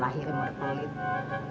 awal lahir mau depan itu